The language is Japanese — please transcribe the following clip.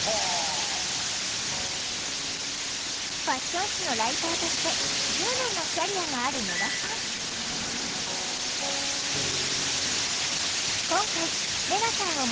ファッション誌のライターとして１０年のキャリアがある野田さん。